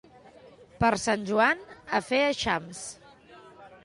Per Sant Joan, a fer eixams.